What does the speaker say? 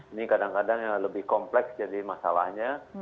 ini kadang kadang yang lebih kompleks jadi masalahnya